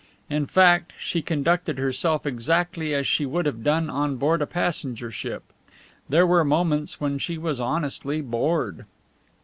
In fact, she conducted herself exactly as she would have done on board a passenger ship. There were moments when she was honestly bored.